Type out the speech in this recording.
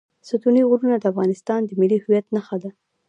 ستوني غرونه د افغانستان د ملي هویت نښه ده.